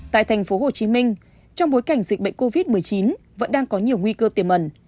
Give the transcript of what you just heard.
tại tp hcm trong bối cảnh dịch bệnh covid một mươi chín vẫn đang có nhiều nguy cơ tiềm mẩn